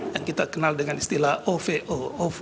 yang kita kenal dengan istilah ovo